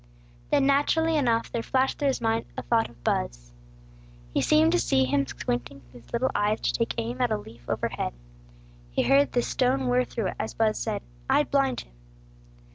Then, naturally enough, there flashed through his mind a thought of Buz. He seemed to see him squinting his little eyes to take aim at a leaf overhead. He heard the stone whirr through it, as Buz said: "I'd blind him!"